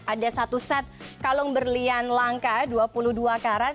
ada satu set kalung berlian langka dua puluh dua karat